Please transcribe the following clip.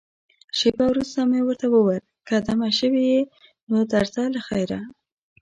شېبه وروسته مې ورته وویل، که دمه شوې یې، نو درځه له خیره.